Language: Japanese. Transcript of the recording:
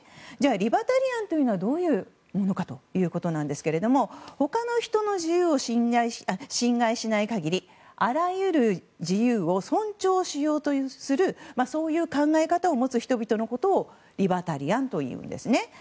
リバタリアンというのはどういうものかということですが他の人の自由を侵害しない限りあらゆる自由を尊重しようとするそういう考え方を持つ人々をリバタリアンというんですね。